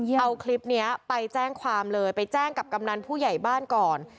เอาคลิปนี้ไปแจ้งความเลยไปแจ้งกับกำนันผู้ใหญ่บ้านก่อน